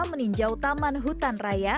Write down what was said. meninjau taman hutan raya